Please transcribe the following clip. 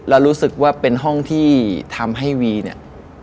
แล้วรู้สึกว่าเป็นห้องที่ทำให้วีเนี่ย